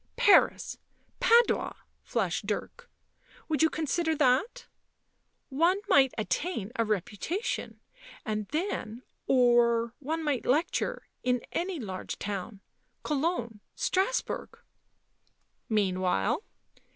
" Paris ! Padua !" flashed Dirk. " Would you con sider that ? One might attain a reputation, and then — or one might lecture — in any large town — Cologne, Strasbourg." " Meanwhile